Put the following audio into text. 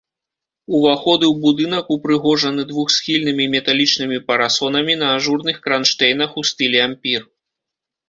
Уваходы ў будынак упрыгожаны двухсхільнымі металічнымі парасонамі на ажурных кранштэйнах у стылі ампір.